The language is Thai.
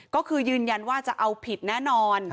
ก็คือยืนยันว่าจะเอาผิดแน่นอน